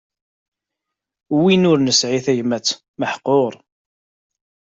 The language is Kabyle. Win ur nesɛi tagmat meḥqur.